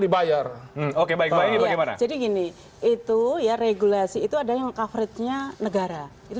dibayar oke baik jadi gini itu ya regulasi itu ada yang coverage nya negara itu